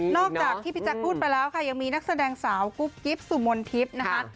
อกจากที่พี่แจ๊คพูดไปแล้วค่ะยังมีนักแสดงสาวกุ๊บกิ๊บสุมนทิพย์นะคะ